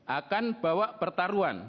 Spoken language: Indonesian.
akan bawa pertaruhan